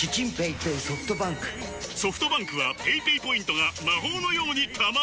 ソフトバンクはペイペイポイントが魔法のように貯まる！